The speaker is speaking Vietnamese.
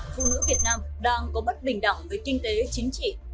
phụ nữ việt nam đang có bất bình đẳng về kinh tế chính trị